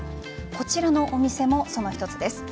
こちらのお店もその一つです。